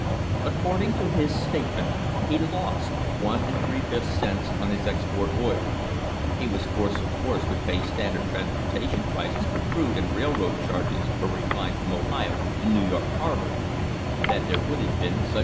According to his statement he lost one and three fifth cents on his export oil. He was forced, of course, to pay Standard transportation prices for crude and railroad charges for refined from Ohio to New York harbour.